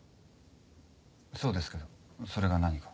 そうですけどそれが何か？